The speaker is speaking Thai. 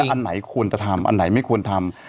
อันไหนควรจะทำอันไหนไม่ควรทำ